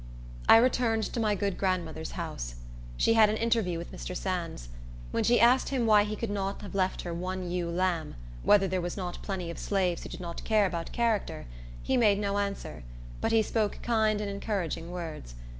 I returned to my good grandmother's house. She had an interview with Mr. Sands. When she asked him why he could not have left her one ewe lamb,—whether there were not plenty of slaves who did not care about character,—he made no answer, but he spoke kind and encouraging words.